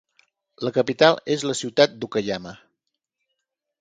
La capital és la ciutat d'Okayama.